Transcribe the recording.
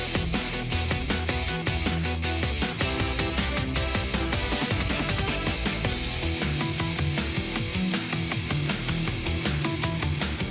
สวัสดีครับ